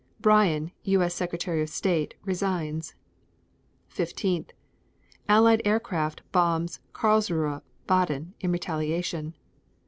Bryan, U. S. Secretary of State, resigns. 15. Allied aircraft bombs Karlsruhe, Baden, in retaliation.